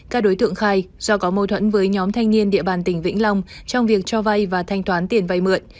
các đối tượng khai do có mâu thuẫn với nhóm thanh niên địa bàn tỉnh vĩnh long trong việc cho vay và thanh toán tiền vay mượn